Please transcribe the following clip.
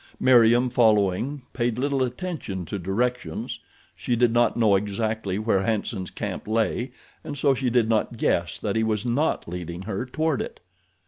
Meriem, following, payed little attention to directions. She did not know exactly where Hanson's camp lay and so she did not guess that he was not leading her toward it.